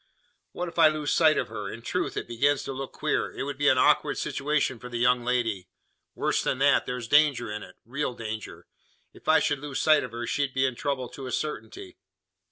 "What if I lose sight of her? In truth, it begins to look queer! It would be an awkward situation for the young lady. Worse than that there's danger in it real danger. If I should lose sight of her, she'd be in trouble to a certainty!"